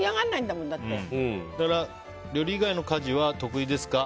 だから、料理以外の家事は得意ですか？